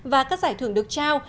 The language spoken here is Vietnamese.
và các giải thưởng được trao